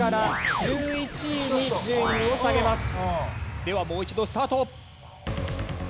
ではもう一度スタート！